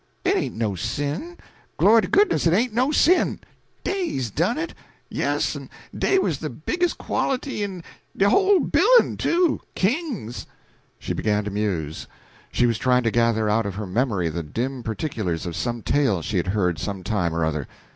It ain't no sin, glory to goodness it ain't no sin! Dey's done it yes, en dey was de biggest quality in de whole bilin', too kings!" She began to muse; she was trying to gather out of her memory the dim particulars of some tale she had heard some time or other.